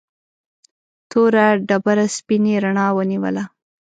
توره ډبره سپینې رڼا ونیوله.